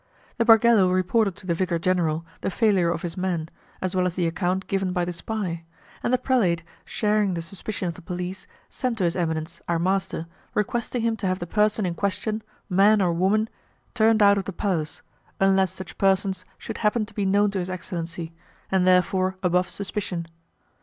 The bargello reported to the Vicar General the failure of his men, as well as the account given by the spy, and the Prelate, sharing the suspicion of the police, sent to his eminence, our master, requesting him to have the person in question, man or woman, turned out of the palace, unless such persons should happen to be known to his excellency, and therefore above suspicion.